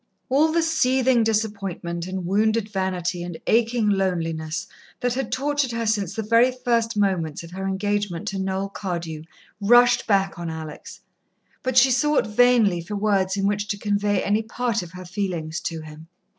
All the seething disappointment and wounded vanity and aching loneliness that had tortured her since the very first moments of her engagement to Noel Cardew, rushed back on Alex, but she sought vainly for words in which to convey any part of her feelings to him.